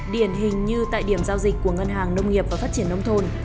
điển hình như tại điểm giao dịch của ngân hàng nông nghiệp và phát triển nông thôn